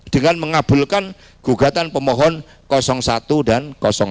dengan mengabulkan gugatan pemohon satu dan dua